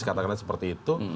katakanlah seperti itu